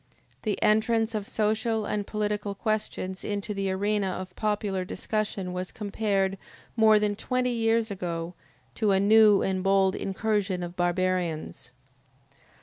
The entrance of social and political questions into the arena of popular discussion was compared, more than twenty years ago, to a new and bold incursion of barbarians.